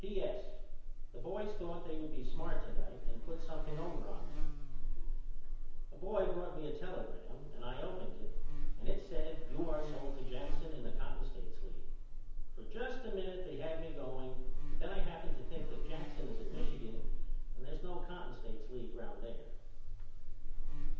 P.S. The boys thought they would be smart to night and put something over on me. A boy brought me a telegram and I opened it and it said You are sold to Jackson in the Cotton States League. For just a minute they had me going but then I happened to think that Jackson is in Michigan and there's no Cotton States League round there.